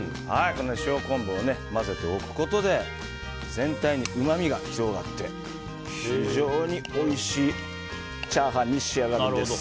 塩昆布を混ぜておくことで全体にうまみが広がって非常においしいチャーハンに仕上がるんです。